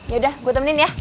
yaudah gua temenin ya